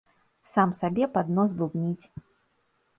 Сам сабе пад нос бубніць.